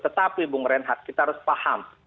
tetapi bu ngeren kita harus paham